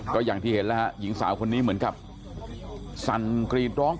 ก็อย่างที่เห็นแล้วฮะหญิงสาวคนนี้เหมือนกับสั่นกรีดร้อง